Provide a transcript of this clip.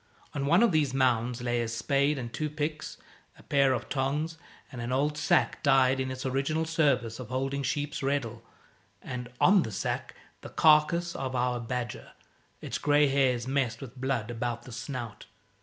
On one of these mounds lay a spade and two picks, a pair of tongs, an old sack, dyed in its original service of holding sheep's reddle, and, on the sack, the carcase of our badger, its grey hairs messed with blood about the snout.